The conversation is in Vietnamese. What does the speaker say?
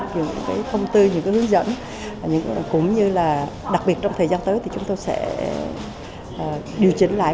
những công tư những hướng dẫn cũng như là đặc biệt trong thời gian tới thì chúng tôi sẽ điều chỉnh lại